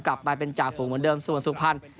กลับไปเป็นจ่าฝูงเหมือนเดิมส่วนสุพรรณ